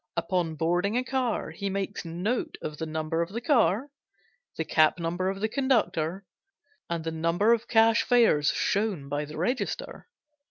Upon boarding a car he makes note of the number of the car, the cap number of the conductor, and the number of cash fares shown by the register.